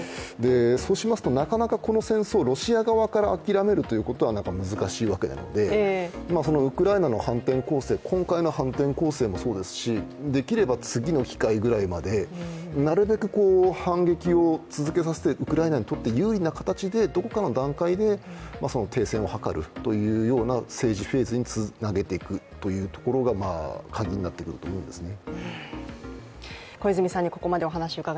そうしますとなかなかこの戦争、ロシア側から諦めるというのは難しいわけなんでウクライナの反転攻勢、今回の反転攻勢もそうですしできれば次の機会ぐらいまでなるべく反撃を続けさせてウクライナにとって有利な形でどこかの段階で停戦を図るというような政治フェーズにつなげていくというところがカギになってくると思うんですね。